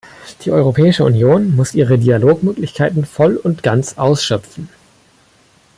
Die Europäische Union muss ihre Dialogmöglichkeiten voll und ganz ausschöpfen.